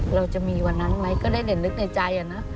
เราจะมีวันนั้นไหมก็ได้แต่นึกในใจนะ